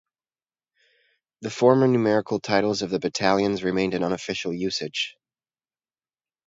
The former numerical titles of the battalions remained in unofficial usage.